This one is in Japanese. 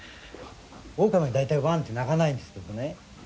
オオカミはだいたいはワンって鳴かないんですけどね